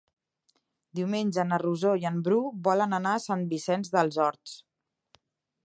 Diumenge na Rosó i en Bru volen anar a Sant Vicenç dels Horts.